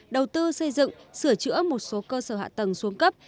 đầu tư xây dựng sửa chữa một số cơ sở hạ tầng xuống cấp